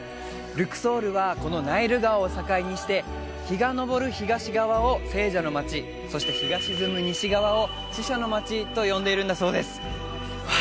ルクソールはこのナイル川を境にして日が昇る東側を生者の街そして日が沈む西側を死者の街と呼んでいるんだそうですわ